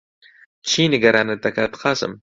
چی نیگەرانت دەکات، قاسم؟